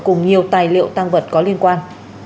cùng nhiều tài liệu tăng vật có liên quan